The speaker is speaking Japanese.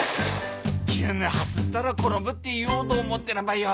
急に走ったら転ぶって言おうと思ったらばよ。